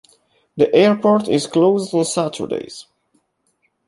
The airport is closed on Saturdays.